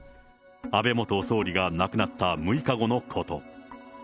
安倍元総理が亡くなった６日後のこと。